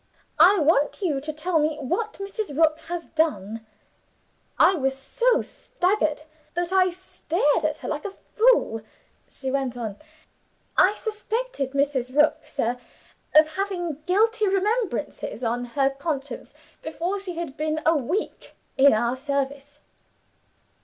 I want you to tell me what Mrs. Rook has done.' I was so staggered that I stared at her like a fool. She went on: 'I suspected Mrs. Rook, sir, of having guilty remembrances on her conscience before she had been a week in our service.